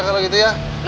kalau gitu ya